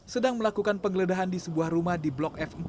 sedang melakukan penggeledahan di sebuah rumah di blok f empat